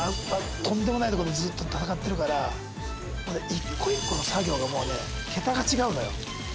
とんでもないとこでずっと戦ってるから一個一個の作業がもうね桁が違うのよ